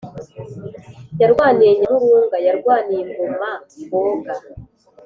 Yarwaniye Nyamurunga:Yarwaniye ingoma Rwoga.